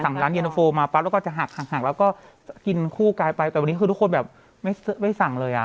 ร้านเย็นตะโฟมาปั๊บแล้วก็จะหักหักแล้วก็กินคู่กายไปแต่วันนี้คือทุกคนแบบไม่สั่งเลยอ่ะ